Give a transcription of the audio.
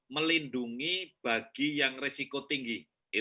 melindungi bagi yang risiko tinggi